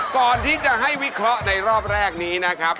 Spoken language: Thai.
ก่อนที่จะให้วิเคราะห์ในรอบแรกนี้นะครับ